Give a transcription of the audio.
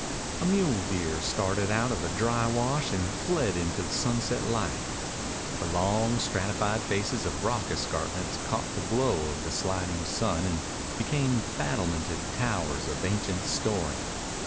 A mule deer started out of a dry wash and fled into the sunset light. The long, stratified faces of rock escarpments caught the glow of the sliding sun and became battlemented towers of ancient story.